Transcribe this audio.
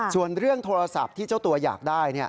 ส่วนเรื่องโทรศัพท์ที่เจ้าตัวอยากได้